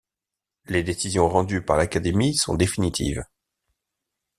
Les décisions rendues par l'Académie sont définitives.